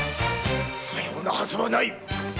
そのようなはずはない。